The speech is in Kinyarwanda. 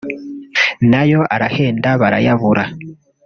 nayo arahenda barayabura